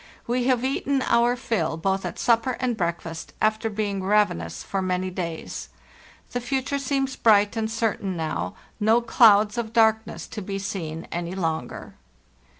We have eaten our fill both at supper and breakfast, after being raven ous for many days. The future seems bright and certain now; no clouds of darkness to be seen any longer.